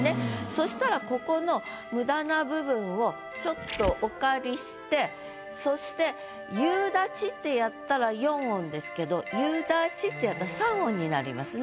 そしたらここの無駄な部分をちょっとお借りしてそして「ゆうだち」ってやったら４音ですけど「ゆだち」ってやったら３音になりますね。